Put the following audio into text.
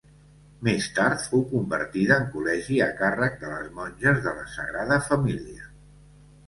Més tard fou convertida en col·legi a càrrec de les monges de la Sagrada Família.